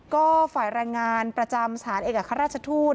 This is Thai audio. ก็ฝ่ายรายงานประจำสหรัฐเอกอาคารราชทูต